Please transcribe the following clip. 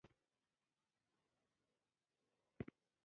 دتېر عمر غم دزغم نه دی ايام کې